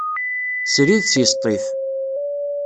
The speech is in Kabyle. Srid seg Sṭif.